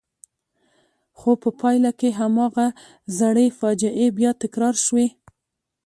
خو په پایله کې هماغه زړې فاجعې بیا تکرار شوې.